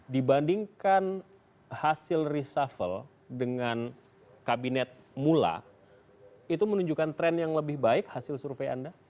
dibandingkan hasil reshuffle dengan kabinet mula itu menunjukkan tren yang lebih baik hasil survei anda